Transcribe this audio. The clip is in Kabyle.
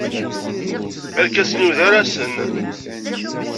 Irkasen-iw d arasen.